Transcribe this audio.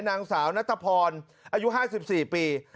นางสาวนัทพรอายุ๕๔ปี